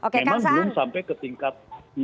memang belum sampai ke tingkat